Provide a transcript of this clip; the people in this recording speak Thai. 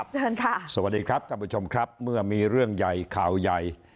เชิญค่ะสวัสดีครับท่านผู้ชมครับเมื่อมีเรื่องใหญ่ข่าวใหญ่